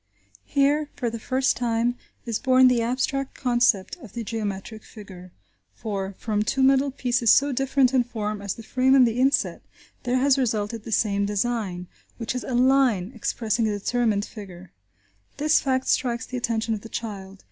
Here, for the first time is born the abstract concept of the geometric figure, for, from two metal pieces so different in form as the frame and the inset, there has resulted the same design, which is a line expressing a determined figure. This fact strikes the attention of the child.